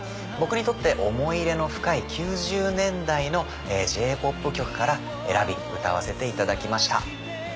僕にとって思い入れの深い９０年代のＪ−ＰＯＰ曲から選び歌わせていただきました。